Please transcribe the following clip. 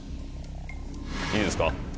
いいですか？